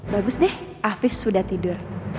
bagus deh afif sudah tidur